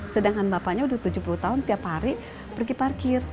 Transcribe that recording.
sedangkan bapaknya udah tujuh puluh tahun tiap hari pergi parkir